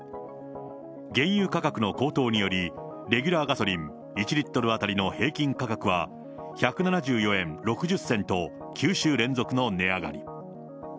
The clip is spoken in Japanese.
原油価格の高騰により、レギュラーガソリン１リットル当たりの平均価格は、１７４円６０銭と９週連続の値上がり。